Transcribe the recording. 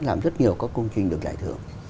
làm rất nhiều các công trình được giải thưởng